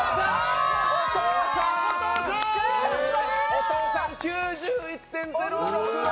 お父さん、９１．００６。